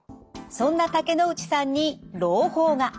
そんな竹之内さんに朗報が！